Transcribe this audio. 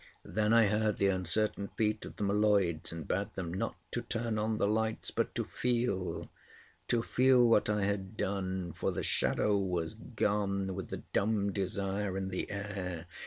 Then I heard the uncertain feet of the M'Leods and bade them not to turn on the lights, but to feel—to feel what I had done; for the Shadow was gone, with the dumb desire in the air.